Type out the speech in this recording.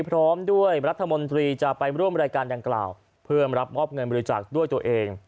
พร้อมด้วยรัฐมนตรีจะไปร่วมรายการดังกล่าวเพื่อรับมอบเงินบริจาคด้วยตัวเอง